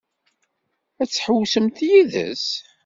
Ad tḥewwsemt yid-s?